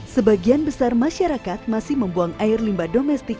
sebagian besar masyarakat masih membuang air limba domestik